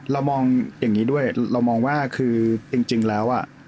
เรามองอย่างนี้ด้วยเรามองว่าคือจริงแล้วอ่ะ